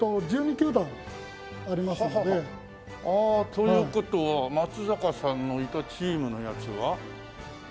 という事は松坂さんのいたチームのやつは？